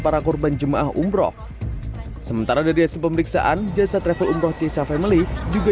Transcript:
para korban jemaah umroh sementara dari hasil pemeriksaan jasa travel umroh cisa family juga